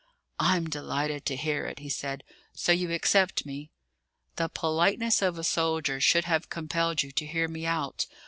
"I'm delighted to hear it," he said. "So you accept me?" "The politeness of a soldier should have compelled you to hear me out.